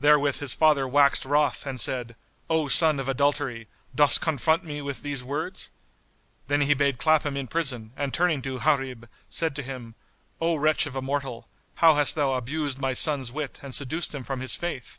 Therewith his father waxed wroth and said, "O son of adultery, dost confront me with these words?" Then he bade clap him in prison and turning to Gharib, said to him, "O wretch of a mortal, how hast thou abused my son's wit and seduced him from his Faith?"